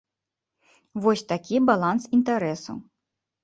Вось такі баланс інтарэсаў.